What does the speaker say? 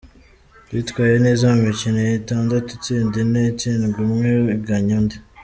Yitwaye neza mu mikino itandatu itsinda ine, itsindwa umwe inganya undi.